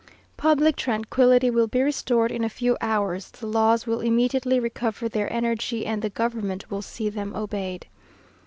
Public tranquillity will be restored in a few hours; the laws will immediately recover their energy, and the government will see them obeyed.